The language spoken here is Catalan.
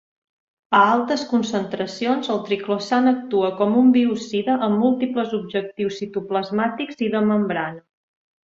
A altes concentracions, el triclosan actua com un biocida amb múltiples objectius citoplasmàtics i de membrana.